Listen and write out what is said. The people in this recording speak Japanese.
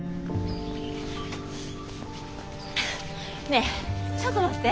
ねえちょっと待って。